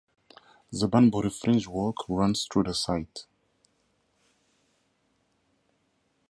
The Banbury Fringe Walk runs through the site.